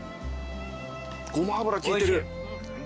ごま油効いてる。